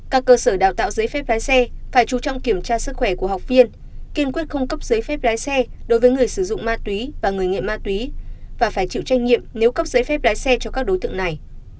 các cơ sở đào tạo giấy phép lái xe phải chú trọng kiểm tra sức khỏe của học viên kiên quyết không cấp giấy phép lái xe đối với người sử dụng ma túy và người nghiện ma túy và phải chịu trách nhiệm nếu cấp giấy phép lái xe cho các đối tượng này